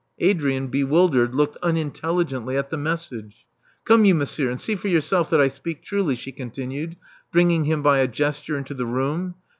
Adrian, bewildered, looked unintelligently at the message. Come you, monsieur, and see for yourself that I speak truly," she continued, bringing him by a gesture into the room.